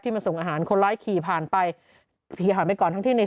มาส่งอาหารคนร้ายขี่ผ่านไปขี่ผ่านไปก่อนทั้งที่ใน